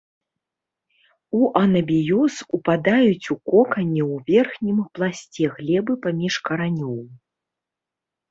У анабіёз упадаюць у кокане ў верхнім пласце глебы паміж каранёў.